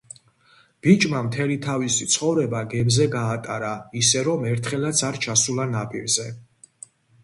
ბიჭმა მთელი თავისი ცხოვრება გემზე გაატარა ისე, რომ ერთხელაც არ ჩასულა ნაპირზე.